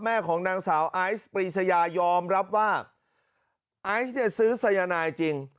ของนางสาวไอซ์ปรีชยายอมรับว่าไอซ์เนี่ยซื้อสายนายจริง